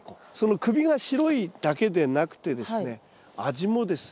首が白いだけでなくてですね味もですね